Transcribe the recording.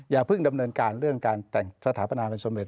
อย่าเพิ่งดำเนินการเรื่องการแต่งสถาปนาเป็นสมเร็